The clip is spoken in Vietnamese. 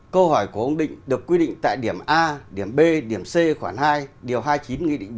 câu hỏi của ông định được quy định tại điểm a điểm b điểm c khoảng hai điều hai mươi chín nghị định bốn mươi